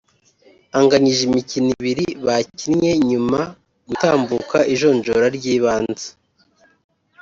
anganyije imikino ibiri bakinnye nyuma gutambuka ijonjora ry’ibanze